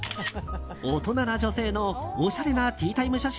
大人な女性のおしゃれなティータイム